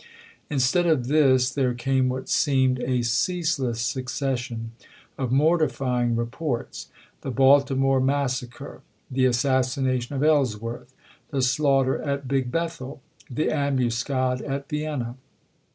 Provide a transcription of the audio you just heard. Instead of this there came what seemed a ceaseless succession of mortifying re ports— the Baltimore massacre, the assassination of Ellsworth, the slaughter at Big Bethel, the ambus cade at Vienna.